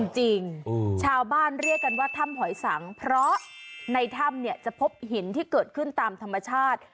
ชาวบ้านเรียกกันว่าถ้ำหอยสังเพราะในถ้ำเนี่ยจะพบหินที่เกิดขึ้นตามธรรมชาติ